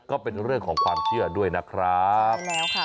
ก็เป็นเรื่องของความเชื่อด้วยนะครับใช่แล้วค่ะ